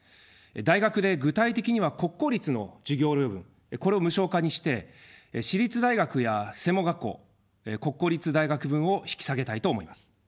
大学で具体的には国公立の授業料分、これを無償化にして、私立大学や専門学校、国公立大学分を引き下げたいと思います。